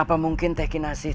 apa mungkin semua kejadian ini